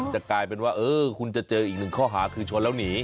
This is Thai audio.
จะกลายเป็นว่าคุณจะเจออีกหนึ่งข้อหาคือชนแล้วหนี